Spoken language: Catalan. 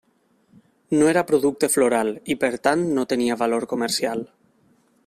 No era producte floral, i per tant no tenia valor comercial.